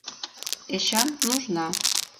Эчан — нужна.